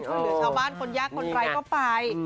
หรือชาวบ้านคนยากคนไร้ก็ไป